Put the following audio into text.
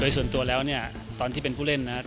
ส่วนตัวแล้วเนี่ยตอนที่เป็นผู้เล่นนะครับ